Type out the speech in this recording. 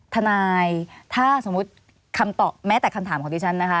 ทนายถ้าสมมุติคำตอบแม้แต่คำถามของดิฉันนะคะ